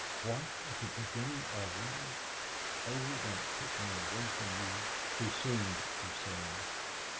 'What! is it beginning already? Oh, don't put me away from you!' she seemed to say.